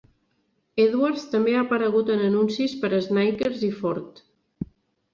Edwards també ha aparegut en anuncis per a Snickers i Ford.